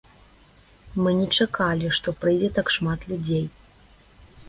Мы не чакалі, што прыйдзе так шмат людзей.